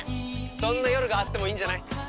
そんな夜があってもいいんじゃない？